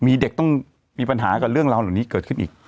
มีเด็กต้องมีปัญหากับเรื่องราวเหล่านี้เกิดขึ้นอีก